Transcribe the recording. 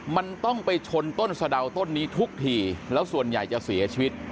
มันต้องไปชนต้นสะดาวต้นนี้ทุกทีแล้วส่วนใหญ่จะเสียชีวิต